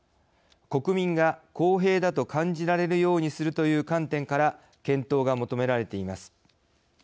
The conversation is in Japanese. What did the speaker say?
国民が公平だと感じられるようにするという観点から検討が求められています。